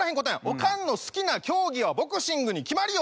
おかんの好きな競技はボクシングに決まりよ